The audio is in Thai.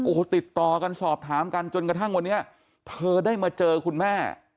โอ้โหติดต่อกันสอบถามกันจนกระทั่งวันนี้เธอได้มาเจอคุณแม่